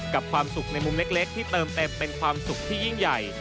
ความสุขในมุมเล็กที่เติมเต็มเป็นความสุขที่ยิ่งใหญ่